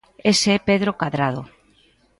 Ese é Pedro Cadrado.